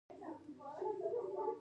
فیروز شاه تغلق ډیر کانالونه جوړ کړل.